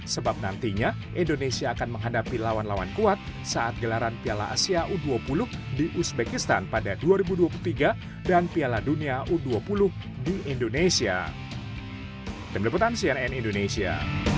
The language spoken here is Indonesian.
sebab nantinya indonesia akan menghadapi lawan lawan kuat saat gelaran piala asia u dua puluh di uzbekistan pada dua ribu dua puluh tiga dan piala dunia u dua puluh di indonesia